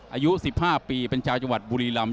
อายุ๑๕ปีเป็นชาวจังหวัดบุรีลำ